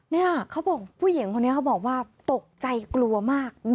นี่ค่ะเขาบอกผู้หญิงคนนี้เขาบอกว่าตกใจกลัวมาก